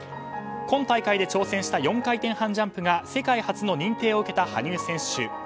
今大会で挑戦した４回転半ジャンプが世界初の認定を受けた羽生選手。